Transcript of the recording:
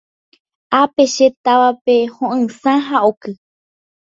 Ápe che távape ho'ysã ha oky.